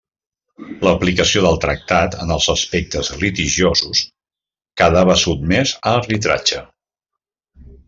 L'aplicació del tractat en els aspectes litigiosos quedava sotmès a arbitratge.